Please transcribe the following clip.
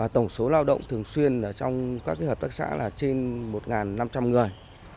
tổng số lao động thường xuyên trong các hợp tác xã là trên một năm trăm linh người